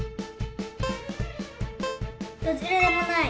どちらでもない。